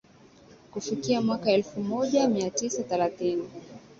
Kufikia mwaka elfu moja mia tisa thelathini